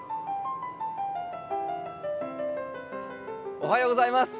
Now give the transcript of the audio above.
おはようございます。